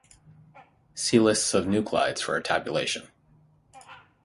See list of nuclides for a tabulation.